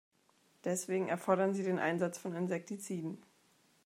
Deswegen erfordern sie den Einsatz von Insektiziden.